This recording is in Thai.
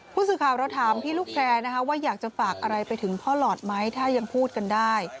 ผู้สื่อข่าวเราถามพี่ลูกแพร่นะคะว่าอยากจะฝากอะไรไปถึงพ่อหลอดไหมถ้ายังพูดกันได้